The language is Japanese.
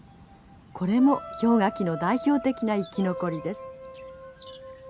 これも氷河期の代表的な生き残りです。